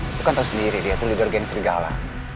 lo kan tau sendiri dia itu leader geng serigala